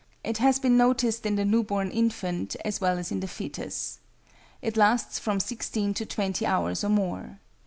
It has been noticed in the new born infant, as well as in the foetus. It lasts from sixteen to twenty hours or more.